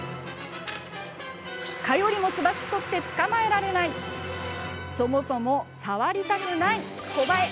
蚊よりもすばしっこくて捕まえられないそもそも、触りたくないコバエ。